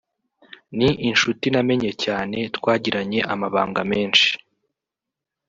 ni inshuti namenye cyane twagiranye amabanga menshi